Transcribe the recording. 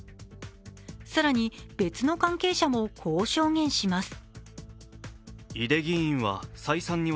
更に、別の関係者もこう証言します。